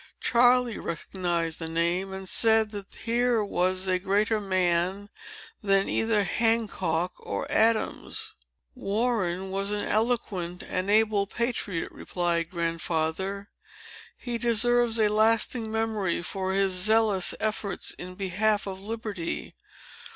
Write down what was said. Charley recognized the name, and said that here was a greater man than either Hancock or Adams. "Warren was an eloquent and able patriot," replied Grandfather. "He deserves a lasting memory for his zealous efforts in behalf of liberty.